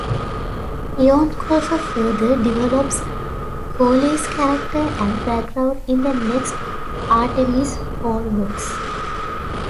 Eoin Colfer further develops Foaly's character and background in the next Artemis Fowl books.